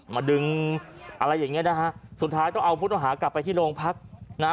มาดึงอะไรอย่างเงี้นะฮะสุดท้ายต้องเอาผู้ต้องหากลับไปที่โรงพักนะฮะ